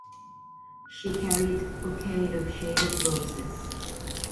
She carried bouquet of shaded roses.